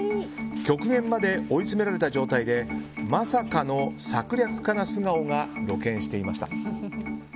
極限まで追い詰められた状態でまさかの策略家な素顔が露見していました。